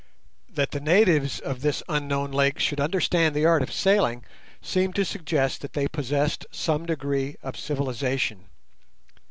That the natives of this unknown lake should understand the art of sailing seemed to suggest that they possessed some degree of civilization.